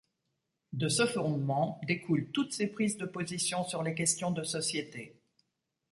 De ce fondement découlent toutes ses prises de position sur les questions de société.